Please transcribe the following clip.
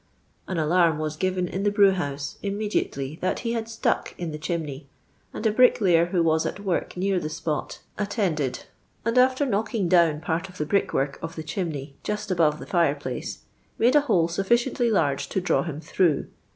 An alarm was given in the brewbouse, imme diately, that he hud stuck in the chimney, and a bricklayer who was at work near the spot at tended, and after knocking down part of the brick work of the chimney, just above the fire place, made a hole sufficiently large to draw him through.